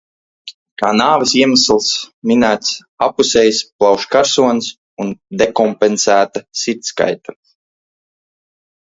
"Kā nāves iemesls minēts "abpusējs plaušu karsonis un dekompensēta sirdskaite"."